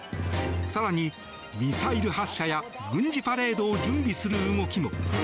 更にミサイル発射や軍事パレードを準備する動きも。